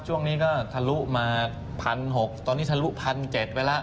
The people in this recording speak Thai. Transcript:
ช่วงนี้ก็ทะลุมา๑๖๐๐ตอนนี้ทะลุ๑๗๐๐ไปแล้ว